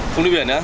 không đi biển nữa